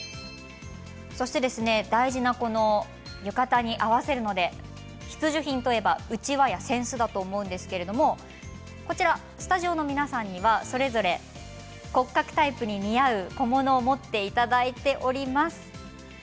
そして大事なこの浴衣に合わせる必需品といえばうちわや扇子だと思うんですがこちらはスタジオの皆さんにはそれぞれ骨格タイプに似合う小物を持っていただいております。